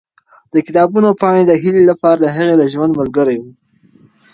د کتابونو پاڼې د هیلې لپاره د هغې د ژوند ملګرې وې.